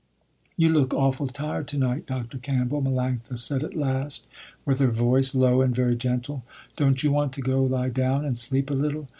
"You look awful tired to night, Dr. Campbell," Melanctha said at last, with her voice low and very gentle, "Don't you want to go lie down and sleep a little?